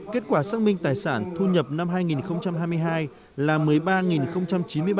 kết quả xác minh tài sản thu nhập năm hai nghìn hai mươi hai là mới bắt đầu